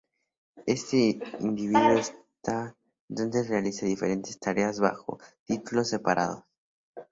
Este individuo entonces realiza diferentes tareas bajo títulos separados.